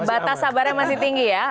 batas sabarnya masih tinggi ya